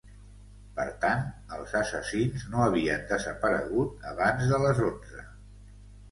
Per tant, els assassins no havien desaparegut abans de les onze.